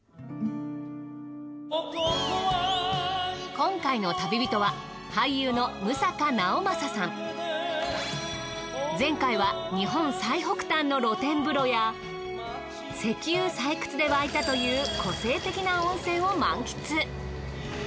今回の旅人は前回は日本最北端の露天風呂や石油採掘で湧いたという個性的な温泉を満喫。